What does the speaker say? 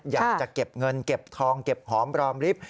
อยากจะเก็บเงินเก็บทองเก็บหอมรอมริฟท์